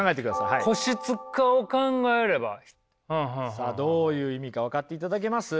さあどういう意味か分かっていただけます？